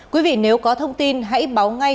quý vị nếu có thông tin hãy báo ngay